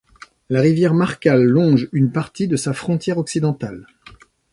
La rivière Marcal longe une partie de sa frontière occidentale.